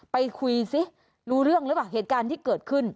ไปคุยซิรู้เรื่องหรือเปล่าเหตุการณ์ที่เกิดขึ้น